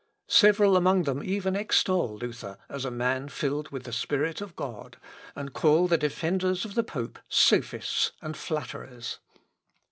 Several among them even extol Luther as a man filled with the Spirit of God, and call the defenders of the pope sophists and flatterers."